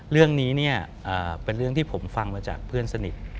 เรื่องนี้เป็นเรื่องที่ผมฟังมาจากเพื่อนสนิท